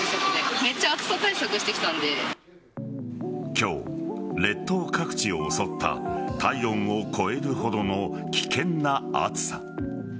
今日、列島各地を襲った体温を超えるほどの危険な暑さ。